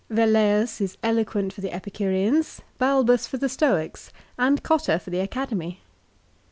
Vel leius is eloquent for the Epicureans, Balbus for the Stoics, and Gotta for the Academy.